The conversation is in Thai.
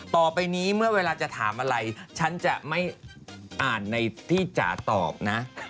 ต่อไปนี้เมื่อเวลาจะถามอะไรฉันจะไม่อ่านในที่จ๋าตอบนะ